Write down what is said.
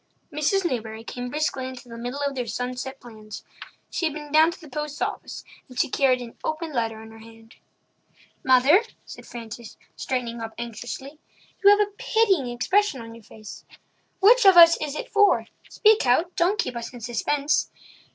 Mrs. Newbury came briskly into the middle of their sunset plans. She had been down to the post office, and she carried an open letter in her hand. "Mother," said Frances, straightening up anxiously, "you have a pitying expression on your face. Which of us is it for—speak out—don't keep us in suspense.